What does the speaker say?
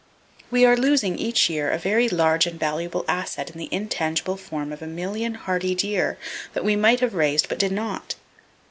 We are losing each year a very large and valuable asset in the intangible form of a million hardy deer that we might have raised but did not!